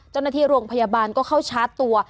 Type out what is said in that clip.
เจ้าหน้าที่โรงพยาบาลก็เข้าชาร์จตัว